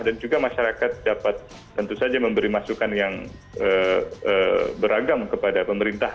dan juga masyarakat dapat tentu saja memberi masukan yang beragam kepada pemerintah